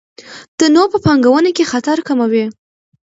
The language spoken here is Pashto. تنوع په پانګونه کې خطر کموي.